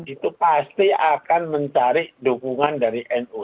itu pasti akan mencari dukungan dari nu